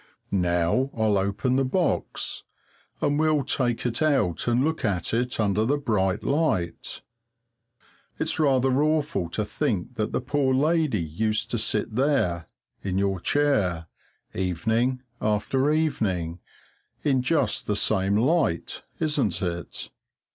Now I'll open the box, and we'll take it out and look at it under the bright light. It's rather awful to think that the poor lady used to sit there, in your chair, evening after evening, in just the same light, isn't it?